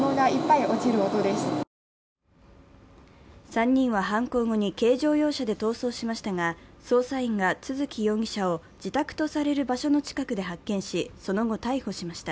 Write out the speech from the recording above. ３人は犯行後に軽乗用車で逃走しましたが、捜査員が都築容疑者を自宅とされる場所の近くで発見しその後、逮捕しました。